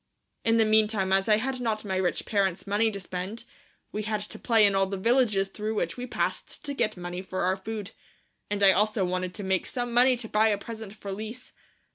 In the meantime, as I had not my rich parents' money to spend, we had to play in all the villages through which we passed to get money for our food. And I also wanted to make some money to buy a present for Lise.